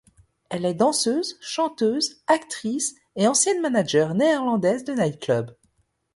Elle est danseuse, chanteuse, actrice et ancienne manager néerlandaise de nightclub.